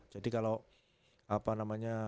jadi kalau apa namanya